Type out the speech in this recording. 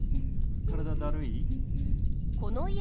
体だるい？